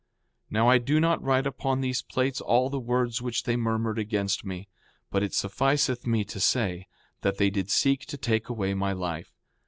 5:4 Now I do not write upon these plates all the words which they murmured against me. But it sufficeth me to say, that they did seek to take away my life.